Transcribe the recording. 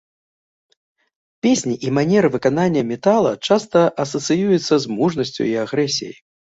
Песні і манера выканання метала часта асацыююцца з мужнасцю і агрэсіяй.